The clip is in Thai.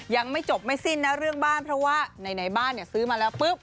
ยังไม่จบไม่สิ้นนะเรื่องบ้านเพราะว่าในบ้านเนี่ยซื้อมาแล้วปุ๊บ